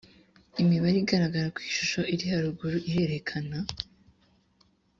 imibare igaragara ku ishusho iri haruguru irerekana